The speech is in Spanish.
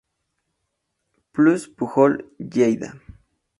Plus Pujol Lleida